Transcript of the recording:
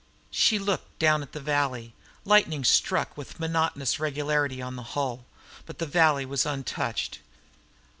She looked down at the valley. Lightning struck with monotonous regularity on the hull, but the valley was untouched.